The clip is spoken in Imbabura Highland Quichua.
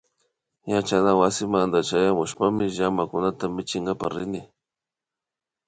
Yachanawasimanta chayamushpami llamakunata michinkapak rini